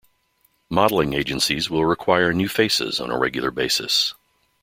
Modelling agencies will require new faces on a regular basis.